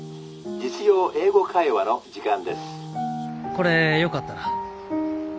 これよかったら。